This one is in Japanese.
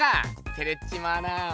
てれっちまうなぁ。